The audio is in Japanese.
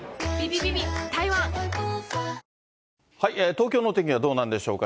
東京のお天気はどうなんでしょうか。